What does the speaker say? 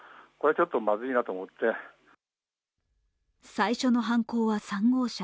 最初の犯行は３号車。